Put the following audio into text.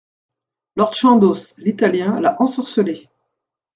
Lord Chandos L’italien l’a ensorcelée !